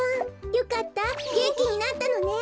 よかったげんきになったのね！